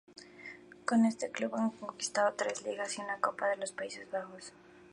Con este club ha conquistado tres Ligas y una Copa de los Países Bajos.